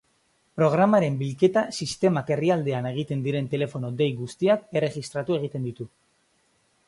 Programaren bilketa sistemak herrialdean egiten diren telefono-dei guztiak erregistratu egiten ditu.